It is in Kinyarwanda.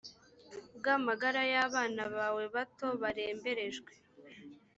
bw amagara y abana bawe bato baremberejwe